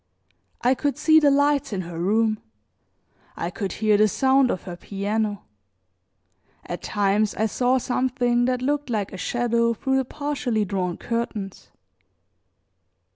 I could see the lights in her room, I could hear the sound of her piano, at times I saw something that looked like a shadow through the partially drawn curtains.